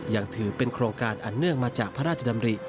ยังถือเป็นโครงการอันเนื่องมาจากพระราชดำริ